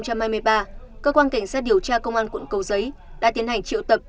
cơ quan cảnh sát điều tra công an quận cầu giấy đã tiến hành triệu tập